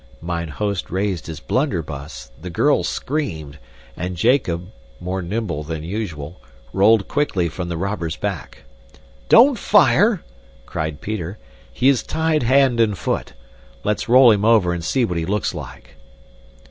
Mine host raised his blunderbuss, the girl screamed, and Jacob, more nimble than usual, rolled quickly from the robber's back. "Don't fire," cried Peter, "he is tied, hand and foot. Let's roll him over and see what he looks like."